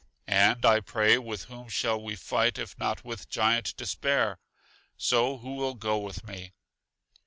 And, I pray, with whom should we fight if not with Giant Despair? So who will go with me?